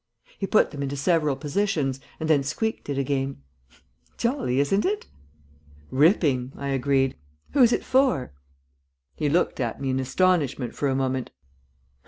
He put them into several positions, and then squeaked it again. "Jolly, isn't it?" "Ripping," I agreed. "Who's it for?" He looked at me in astonishment for a moment.